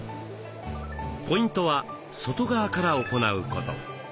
ポイントは外側から行うこと。